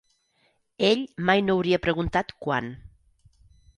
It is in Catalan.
Ell mai no hauria preguntat quant.